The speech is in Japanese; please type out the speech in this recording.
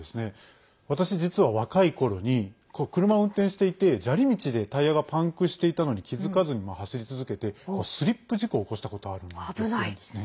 私、実は若いころに車を運転していて砂利道でタイヤがパンクしていたのに気付かずに走り続けて、スリップ事故を起こしたこと、あるんですね。